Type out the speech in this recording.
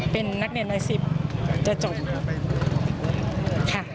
เป็นนักเรียนใน๑๐จะจบค่ะ